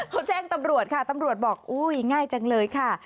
เขาแจ้งตำรวจค่ะตำรวจบอกอุ้ยง่ายจังเลยค่ะ